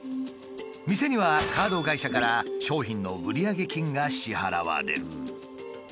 店にはカード会社から商品の売上金が支払われる。